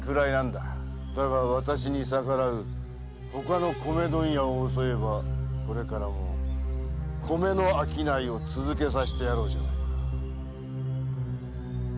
だが私に逆らうほかの米問屋を襲えばこれからも米の商いを続けさせてやろうじゃないか。